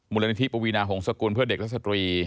มูลนิธิปวีนาหงษกุลเพื่อเด็กและสตรี